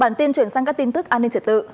bản tin chuyển sang các tin tức an ninh trật tự